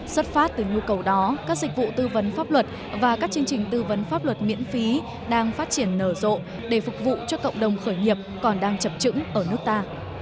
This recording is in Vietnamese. xuất phát từ nhu cầu đó các dịch vụ tư vấn pháp luật và các chương trình tư vấn pháp luật miễn phí đang phát triển nở rộ để phục vụ cho cộng đồng khởi nghiệp còn đang chập trứng ở nước ta